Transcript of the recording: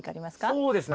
そうですね